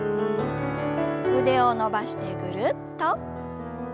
腕を伸ばしてぐるっと。